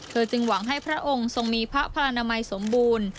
จึงหวังให้พระองค์ทรงมีพระพลานามัยสมบูรณ์